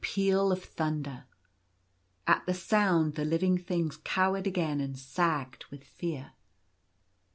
39 peal of thunder. At the sound the living things cowered again, and sagged with fear.